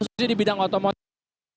terus di bidang otomotif